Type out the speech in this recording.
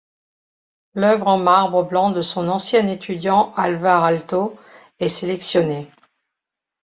L'œuvre en marbre blanc de son ancien étudiant Alvar Aalto est sélectionnée.